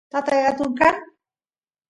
tatay atun kan